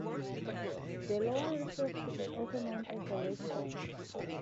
The lowered fifth is also known as the raised fourth.